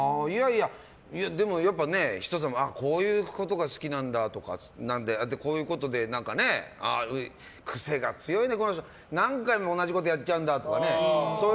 でも、やっぱり人様はこういうことが好きなんだとかこういうことで癖が強いね、この人とか何回も同じことやっちゃうんだとか。